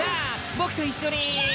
僕と一緒に。